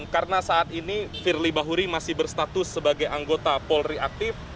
karena saat ini firly bahuri masih berstatus sebagai anggota polri aktif